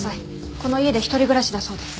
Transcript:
この家で一人暮らしだそうです。